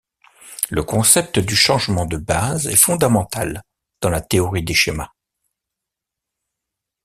Le concept du changement de bases est fondamental dans la théorie des schémas.